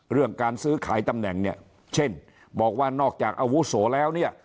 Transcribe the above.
เรื่องการซื้อขายตำแหน่งเนี่ยเช่นบอกว่านอกจากอาวุโสแล้วเนี่ย